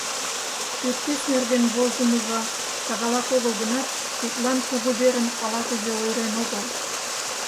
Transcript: Пӱртӱс нерген возымыжо шагалак огыл гынат, тидлан кугу верым ала-кузе ойырен огыл.